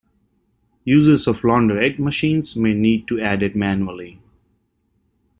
Users of launderette machines may need to add it manually.